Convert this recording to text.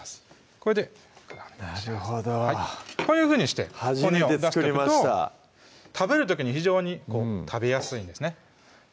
これでなるほどこういうふうにして骨を出しておくと食べる時に非常に食べやすいんですね